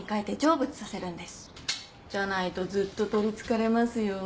じゃないとずっと取りつかれますよ。